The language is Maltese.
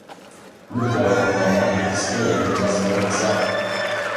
Nibdew nagħmluha public display din it-trasparenza?